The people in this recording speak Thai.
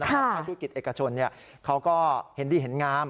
เพราะธุรกิจเอกชนเขาก็เห็นดีเห็นงาม